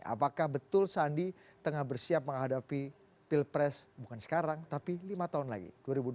apakah betul sandi tengah bersiap menghadapi pilpres bukan sekarang tapi lima tahun lagi dua ribu dua puluh